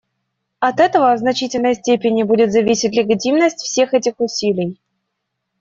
От этого в значительной степени будет зависеть легитимность всех этих усилий.